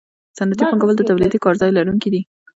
صنعتي پانګوال د تولیدي کارځای لرونکي دي